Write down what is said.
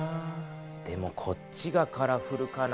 でもこっちがカラフルかな？